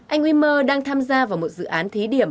anh wimer đang tham gia vào một dự án thí điểm